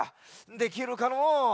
できるかのう？